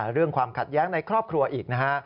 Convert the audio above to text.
เรื่องความขัดแย้งในครอบครัวอีกนะฮะ